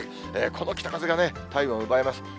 この北風がね、体温を奪います。